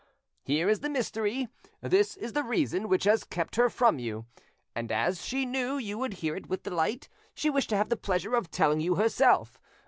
Here is the mystery, this is the reason which has kept her from you, and as she knew you would hear it with delight, she wished to have the pleasure of telling you herself.